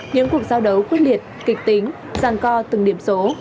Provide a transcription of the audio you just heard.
những cuộc giao đấu quyết liệt kịch tính ràng co từng điểm số